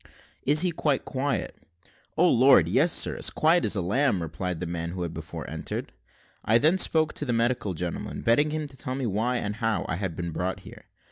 "Is he quite quiet?" "O Lord! yes, sir, as quiet as a lamb," replied the man who had before entered. I then spoke to the medical gentleman, begging him to tell why, and how, I had been brought here.